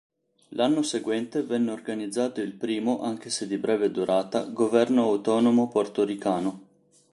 L'anno seguente venne organizzato il primo, anche se di breve durata, governo autonomo portoricano.